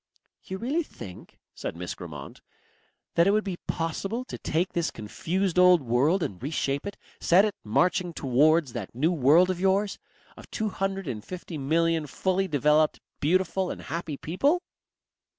"You really think," said Miss Grammont, "that it would be possible to take this confused old world and reshape it, set it marching towards that new world of yours of two hundred and fifty million fully developed, beautiful and happy people?"